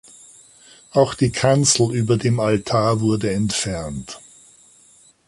Auch die Kanzel über dem Altar wurde entfernt.